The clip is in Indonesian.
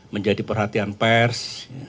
menjadi perhatian pers